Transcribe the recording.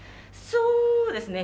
そうですね。